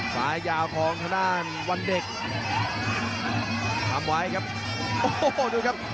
ซ้ายยาวของธนาคมวันเด็กทำไว้ครับโอ้โหดูครับ